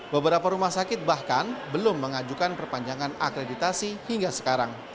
beberapa rumah sakit bahkan belum mengajukan perpanjangan akreditasi hingga sekarang